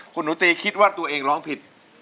คุณหนูตีคิดว่าตัวเองร้องผิด